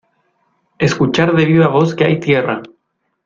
escuchar de viva voz que hay tierra